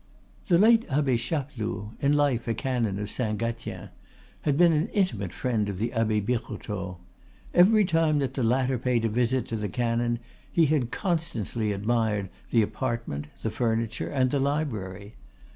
The late Abbe Chapeloud, in life a canon of Saint Gatien, had been an intimate friend of the Abbe Birotteau. Every time that the latter paid a visit to the canon he had constantly admired the apartment, the furniture and the library.